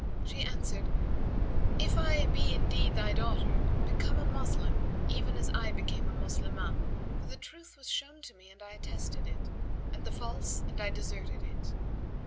She answered "If I be indeed thy daughter, become a Moslem, even as I became a Moslemah, for the truth was shown to me and I attested it; and the false, and I deserted it.